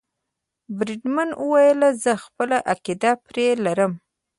بریدمن وویل زه خپله عقیده پرې لرم.